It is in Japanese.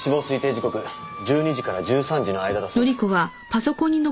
時刻１２時から１３時の間だそうです。